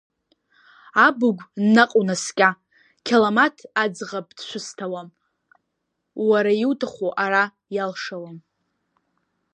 Абыгә наҟ унаскьа, Қьаламаҭ, аӡӷаб дшәысҭауам, уара иуҭаху ара иалшауам.